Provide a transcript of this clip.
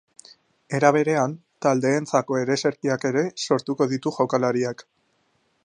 Era berean, taldeentzako ereserkiak ere sortuko ditu jokalariak.